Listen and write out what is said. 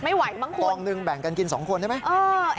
อุ๊ยไม่ไหวบ้างคุณฟองหนึ่งแบ่งกันกินสองคนได้ไหม